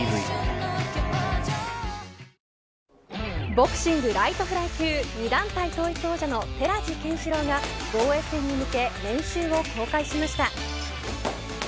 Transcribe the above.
ボクシングライトフライ級２団体統一王者の寺地拳四朗が防衛戦に向け練習を公開しました。